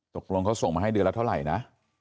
ตกลงเขาส่งมาให้เดือนละเท่าไหร่นะ